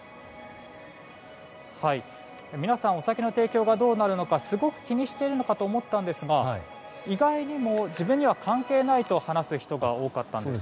皆さんお酒の提供がどうなるのかすごく気にしてるのかと思ったんですが意外にも自分には関係ないと話す人が多かったんです。